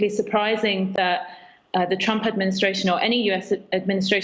bahwa pemerintah trump atau mana pun pemerintah as